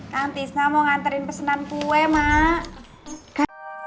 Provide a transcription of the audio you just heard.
kamtisnya mau nganterin pesenan kue mak